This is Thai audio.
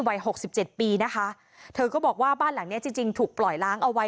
หกสิบเจ็ดปีนะคะเธอก็บอกว่าบ้านหลังเนี้ยจริงจริงถูกปล่อยล้างเอาไว้